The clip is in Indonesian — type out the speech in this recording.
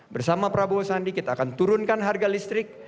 bersama prabowo sandi kita akan turunkan harga listrik